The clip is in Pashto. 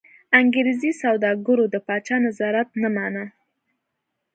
انګرېزي سوداګرو د پاچا نظارت نه مانه.